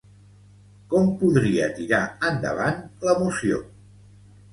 Com podria tirar endavant la moció?